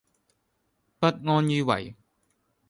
不安於位